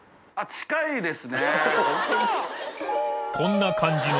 近いです。